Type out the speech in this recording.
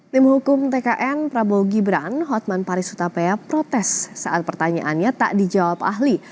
tim hukum tkn prabowo gibran hotman paris utapaya protes saat pertanyaannya tak dijawab ahli